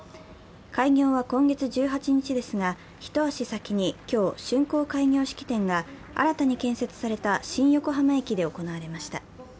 開業は今月１８日ですが一足先に今日、竣工開業式典が新たに建設された新横浜駅で行われました。